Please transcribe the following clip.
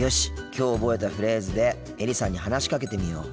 きょう覚えたフレーズでエリさんに話しかけてみよう。